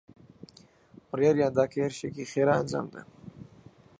بڕیاریان دا کە هێرشێکی خێرا ئەنجام بدەن.